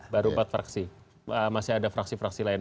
baru empat fraksi masih ada fraksi fraksi lain